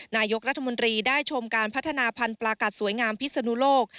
นายกรัฐมนตรีได้ชมการพัฒนาพันธุ์ปลากัดสวยงามพิศนุโลก